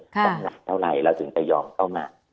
ก่อนอื่นเท่าไหร่เราถึงจะยอมเข้ามา